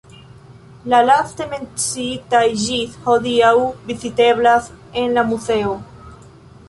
La laste menciitaj ĝis hodiaŭ viziteblas en la muzeo.